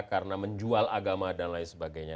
karena menjual agama dan lain sebagainya